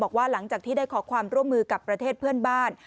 หลังจากที่ได้ขอความร่วมมือกับประเทศเพื่อนบ้าน